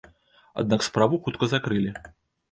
Аднак справу хутка закрылі.